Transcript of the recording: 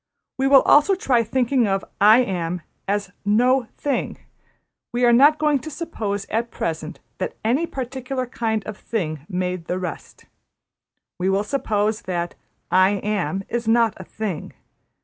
We will also try thinking of `I Am' as No Thing, we are not going to suppose at present that any particular kind of thing made the rest; we will suppose that `I Am' is not a thing.